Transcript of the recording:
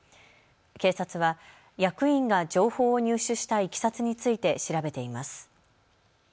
警察は役員が情報を入手したいきさつについて調べています。